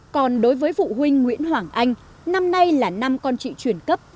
còn đối với phụ huynh nguyễn hoảng anh năm nay là năm con trị chuyển cấp